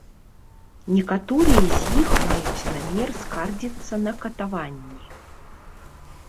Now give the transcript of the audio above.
Некаторыя з іх маюць намер скардзіцца на катаванні.